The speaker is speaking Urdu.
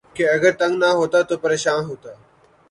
کہ اگر تنگ نہ ہوتا تو پریشاں ہوتا